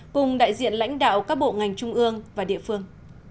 cùng đại diện lãnh đạo các bộ ngành trung ương và địa phương